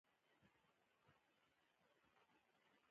زه به سبا رخصت یم.